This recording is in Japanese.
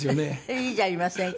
いいじゃありませんか。